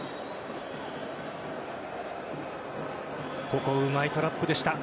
ここ、うまいトラップでした。